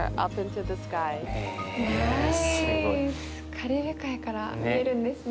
カリブ海から見えるんですね。